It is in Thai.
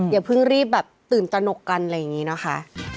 อย่าเพิ่งรีบแบบตื่นตนกกันอะไรอย่างนี้นะคะ